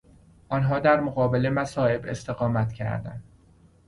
آنها در مقابل مصائب استقامت کردند.